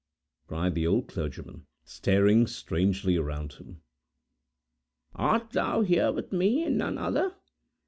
cried the old clergyman, staring strangely around him. "Art thou here with me, and none other?